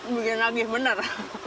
bukan lagi bener